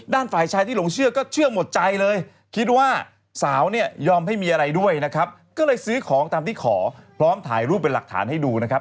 ฝ่ายชายที่หลงเชื่อก็เชื่อหมดใจเลยคิดว่าสาวเนี่ยยอมให้มีอะไรด้วยนะครับก็เลยซื้อของตามที่ขอพร้อมถ่ายรูปเป็นหลักฐานให้ดูนะครับ